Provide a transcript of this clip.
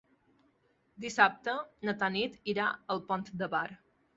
Dissabte na Tanit irà al Pont de Bar.